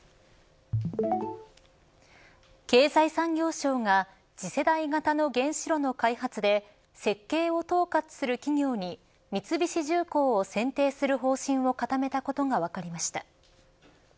経済産業省が次世代型の原子炉の開発で設計を統括する企業に三菱重工を選定する方針を固めたことが分かりました。